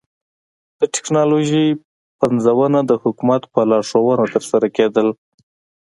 د ټکنالوژۍ پنځونه د حکومت په لارښوونه ترسره کېدل